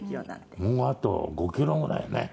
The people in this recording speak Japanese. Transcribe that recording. もうあと５キロぐらいね